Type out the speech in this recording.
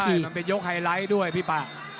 นี่มันเป็นยกไฮไลท์ด้วยพี่ป่า